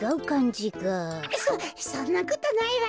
そそんなことないわよ。